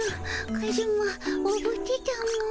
カズマおぶってたも。